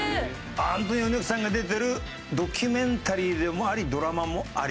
アントニオ猪木さんが出てるドキュメンタリーでもありドラマもあり。